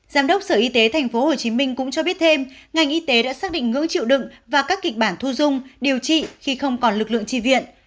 giám đốc sở y tế tp hcm cũng cho biết thêm ngành y tế đã xác định ngữ chịu đựng và các kịch bản thu dung điều trị khi không còn lực lượng tri viện